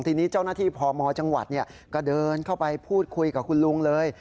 ทีนี้เจ้าหน้าที่พมจังหวัดก็เดินเข้าไปพูดคุยกับคุณลุงเลย